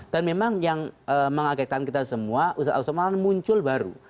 dan memang yang mengagetkan kita semua ustadz abdus sommat muncul baru